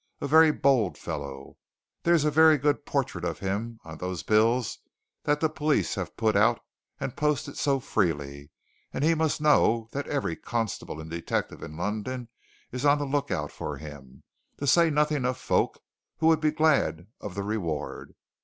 "A very bold fellow! There's a very good portrait of him on those bills that the police have put out and posted so freely, and he must know that every constable and detective in London is on the look out for him, to say nothing of folk who would be glad of the reward.